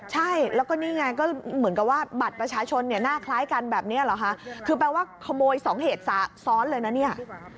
ใช่แล้วก็นี่ไงก็เหมือนกับว่าบัตรประชาชนเนี่ยหน้าคล้ายกันแบบนี้เหรอคะคือแปลว่าขโมย๒เหตุซ้อนเลยนะเนี่ย